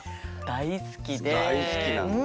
大好きなんだ。